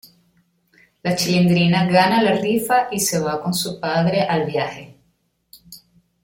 La Chilindrina gana la rifa y se va con su padre al viaje.